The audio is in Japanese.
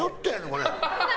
これ。